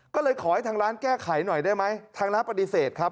ก็เลยขอให้ทางร้านแก้ไขหน่อยได้ไหมทางร้านปฏิเสธครับ